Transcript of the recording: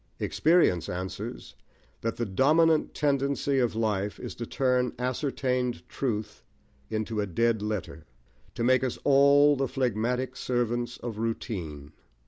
Experience answers that the dominant tendency of life is to turn ascertained truth into a dead letter, to make us all the phlegmatic servants of routine.